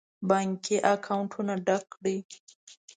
بانکي اکاونټونه ډک کړي.